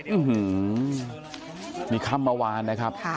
อื้อหือมีคำมะวานนะครับ